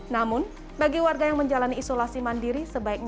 namun bagi warga yang menjalani isolasi mandiri sebaiknya